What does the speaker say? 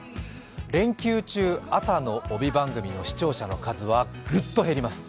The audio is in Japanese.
連休中、朝の帯番組の視聴者の数はぐっと減ります。